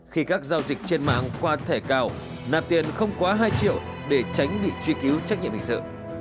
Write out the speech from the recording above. khi các giao dịch trên mạng qua thẻ cao nạp tiền không quá hai triệu để tránh bị truy cứu trách nhiệm hình sự